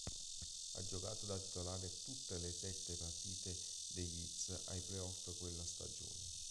Ha giocato da titolare tutte le sette partite degli Heat ai playoff quella stagione.